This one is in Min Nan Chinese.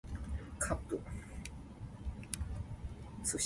鹿港施一半，社頭全蕭人